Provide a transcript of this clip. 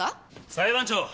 ⁉裁判長！